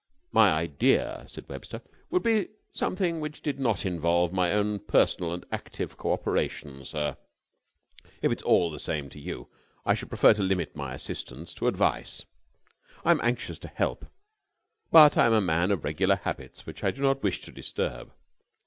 "My idea," said Webster, "would be something which did not involve my own personal and active co operation, sir. If it is all the same to you, I should prefer to limit my assistance to advice. I am anxious to help, but I am a man of regular habits, which I do not wish to disturb.